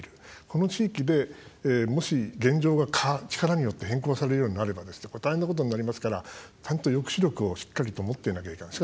この地域でもし現状が、力によって変更されるようになれば大変なことになりますからちゃんと抑止力を、しっかりと持っていなきゃいけない。